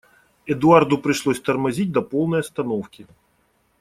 Эдуарду пришлось тормозить до полной остановки.